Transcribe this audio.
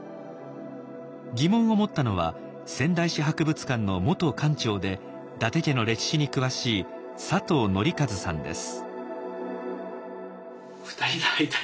疑問を持ったのは仙台市博物館の元館長で伊達家の歴史に詳しい佐藤憲一さんです。